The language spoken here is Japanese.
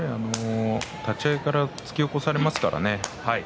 立ち合いから突き起こされますからね